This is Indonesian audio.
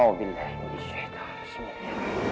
a'ubillah minasyaitan wa bismillah